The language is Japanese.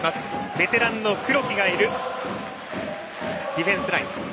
ベテランの黒木いるディフェンスライン。